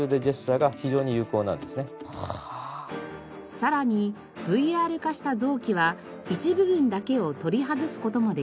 さらにＶＲ化した臓器は一部分だけを取り外す事もできます。